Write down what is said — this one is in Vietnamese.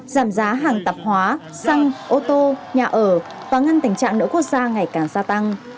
giảm giá hàng tạp hóa xăng ô tô nhà ở và ngăn tình trạng nợ quốc gia ngày càng gia tăng